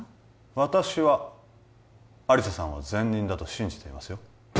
私は亜理紗さんは善人だと信じていますよ